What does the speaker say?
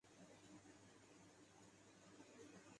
جو ہمارے قاہد کا تھا